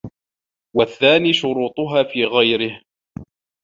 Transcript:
وَالثَّانِي شُرُوطُهَا فِي غَيْرِهِ